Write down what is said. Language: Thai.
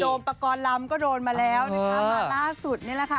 ประกอบลำก็โดนมาแล้วนะคะมาล่าสุดนี่แหละค่ะ